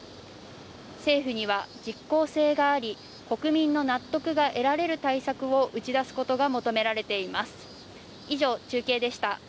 政府には実効性があり、国民の納得が得られる対策を打ち出すことが求められています。